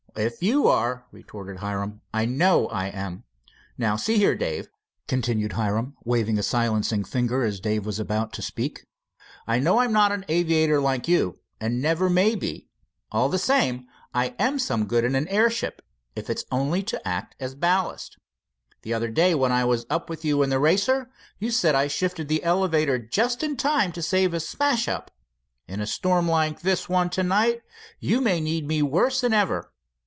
"If you are," retorted Hiram, "I know I am. Now, see here, Dave," continued Hiram, waving a silencing finger as Dave was about to speak, "I know I'm not an aviator like you, and never will be. All the same, I am some good in an airship, if it's only to act as ballast. The other day when I was up with you in the Racer, you. said I shifted the elevator just in time to save a smash up. In a storm like the one to night, you my need me worse than ever.